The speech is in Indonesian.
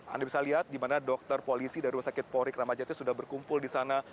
anda bisa lihat di mana dokter polisi dari rumah sakit polri kramajati sudah berkumpul di sana